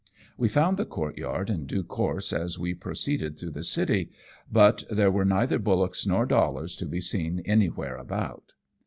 We found the courtyard in due course as we pro A SECOND VISIT TO NAGASAKI. 191 ceeded through the city, but there were neither bullocks nor dollars to be seen anywhere about.